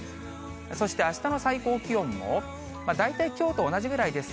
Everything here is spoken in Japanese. そしてあしたの最高気温も、大体きょうと同じぐらいです。